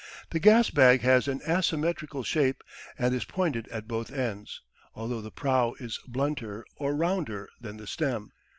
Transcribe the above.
The gas bag has an asymmetrical shape, and is pointed at both ends, although the prow is blunter or rounder than the stem.